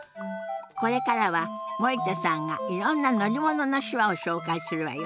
これからは森田さんがいろんな乗り物の手話を紹介するわよ。